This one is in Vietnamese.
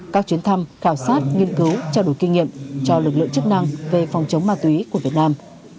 các chuyến thăm khảo sát nghiên cứu trao đổi kinh nghiệm cho lực lượng chức năng về phòng chống ma túy của việt nam